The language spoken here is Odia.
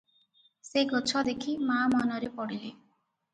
ସେ ଗଛ ଦେଖି ମା’ ମନରେ ପଡ଼ିଲେ ।